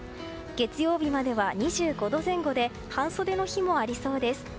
月曜日までは２５度前後で半袖の日もありそうです。